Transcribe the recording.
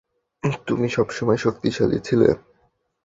তুমি সবসময় শক্তিশালী ছিলে।